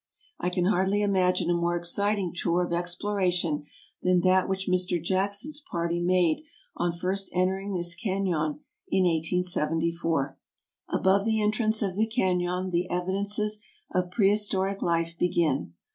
I can hardly imagine a more exciting tour of exploration than that which Mr. Jackson's party made on first entering this canon in 1874. Above the entrance of the canon the evidences of pre historic life begin.